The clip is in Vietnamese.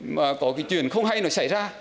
mà có chuyện không hay xảy ra